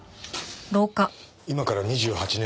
今から２８年